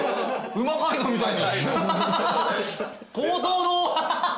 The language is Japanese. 「うま街道！」みたいに。